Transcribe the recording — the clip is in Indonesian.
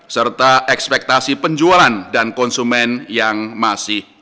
serta ekspektasi penjualan dan konsumen yang masih